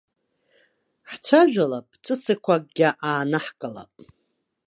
Ҳцәажәалап, ҵәыцақәакгьы аанаҳкылап.